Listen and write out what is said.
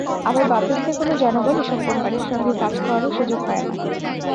আবার বাপেক্সের কোনো জনবল এসব কোম্পানির সঙ্গে কাজ করারও সুযোগ পায় না।